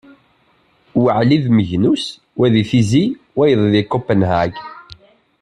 Waɛli d Magnus, wa di Tizi, wayeḍ di Conpenhagen